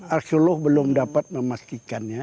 arkeolog belum dapat memastikannya